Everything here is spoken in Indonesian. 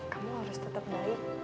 kamu harus tetep baik